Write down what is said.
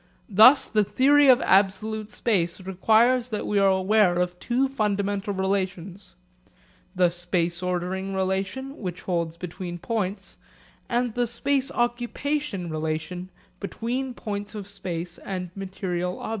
Thus the theory of absolute space requires that we are aware of two fundamental relations, the space ordering relation, which holds between points, and the space occupation relation between points of space and material objects.